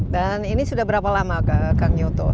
dan ini sudah berapa lama kang yoto